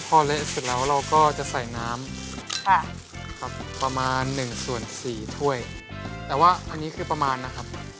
พอเละเสร็จแล้วเราก็จะใส่น้ำประมาณหนึ่งส่วนสี่ถ้วยแต่ว่าอันนี้คือประมาณนะครับ